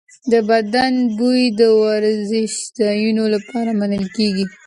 د بدن بوی د ورزشځایونو لپاره منل کېږي.